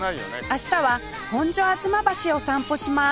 明日は本所吾妻橋を散歩します